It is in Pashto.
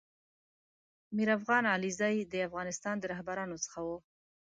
میر افغان علیزی دافغانستان د رهبرانو څخه و